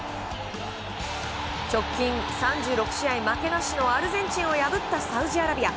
直近３６試合負けなしのアルゼンチンを破ったサウジアラビア。